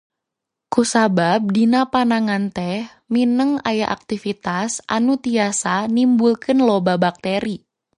Kusabab dina panangan teh mindeng aya aktivitas anu tiasa nimbulkeun loba bakteri.